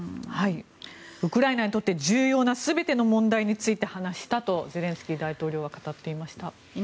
ウクライナにとって重要な全ての問題について話したとゼレンスキー大統領は語っていました。